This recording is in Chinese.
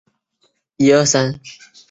指导单位